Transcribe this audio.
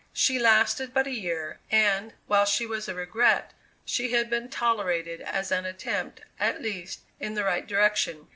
She lasted but a year, and, while she was a regret, she had been tolerated as an attempt, at least, in the right direction.